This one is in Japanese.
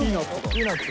ピーナツ。